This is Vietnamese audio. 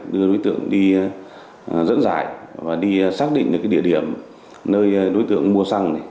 đưa đối tượng đi dẫn dải và đi xác định được cái địa điểm nơi đối tượng mua xăng này